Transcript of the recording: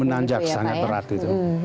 menanjak sangat berat itu